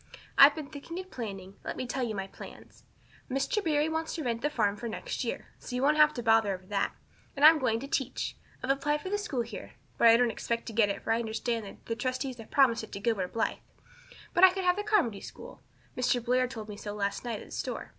I've been thinking and planning. Let me tell you my plans. Mr. Barry wants to rent the farm for next year. So you won't have any bother over that. And I'm going to teach. I've applied for the school here but I don't expect to get it for I understand the trustees have promised it to Gilbert Blythe. But I can have the Carmody school Mr. Blair told me so last night at the store.